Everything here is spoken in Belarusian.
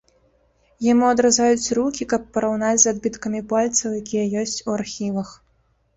Яму адразаюць рукі, каб параўнаць з адбіткамі пальцаў, якія ёсць у архівах.